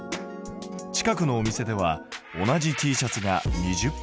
近くのお店では同じＴシャツが２０％オフ。